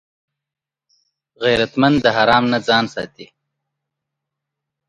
غیرتمند د حرام نه ځان ساتي